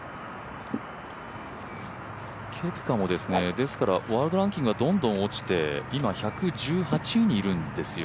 ケプカも、ですからワールドランキングがどんどん落ちて今１１８位にいるんですよ。